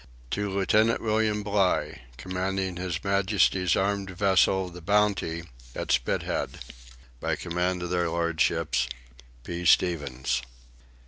To Lieutenant William Bligh, commanding his majesty's armed vessel the Bounty at Spithead. By command of their Lordships, P. STEPHENS.